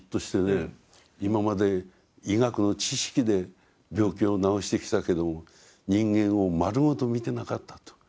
今まで医学の知識で病気を治してきたけども人間を丸ごと見てなかったと。